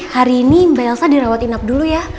hari ini mbelsa dirawatin ab dulu ya